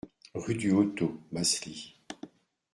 Rue du Hottot, Basly